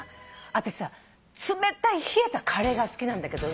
あたしさ冷たい冷えたカレーが好きなんだけど。